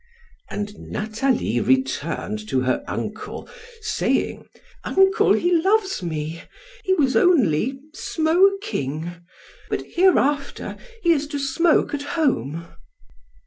And Nathalie returned to her uncle, saying: "Uncle, he loves me! He was only smoking, but hereafter he is to smoke at home."